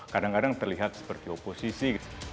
kadang kadang terlihat seperti oposisi